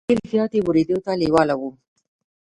ډېر زیات یې ورېدو ته لېواله وو.